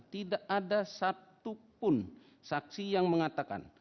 tidak ada satu pun saksi yang mengatakan